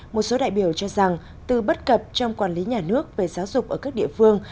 một số đại biểu cho rằng từ bất cập trong quản lý nhà nước về giáo dục ở các địa phương